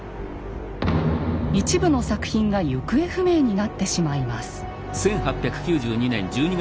一部の作品が行方不明になってしまいます。